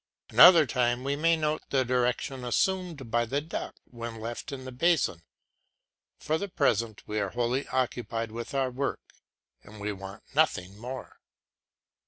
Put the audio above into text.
Another time we may note the direction assumed by the duck when left in the basin; for the present we are wholly occupied with our work and we want nothing more.